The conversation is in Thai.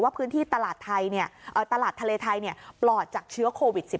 ว่าพื้นที่ตลาดทะเลไทยปลอดจากเชื้อโควิด๑๙